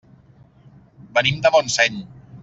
Venim de Montseny.